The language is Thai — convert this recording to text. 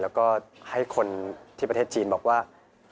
แล้วก็ให้คนที่ประเทศจีนบอกว่า